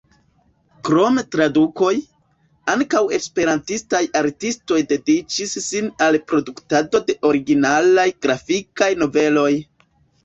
Krom tradukoj, ankaŭ esperantistaj artistoj dediĉis sin al produktado de originalaj grafikaj noveloj.